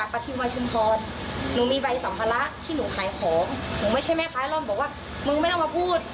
ร้องแหละที่หนูหายของไม่ใช่แม่คล้ายร่อนบอกว่ามึงไม่ต้องมาพูด